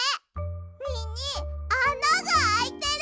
みにあながあいてる。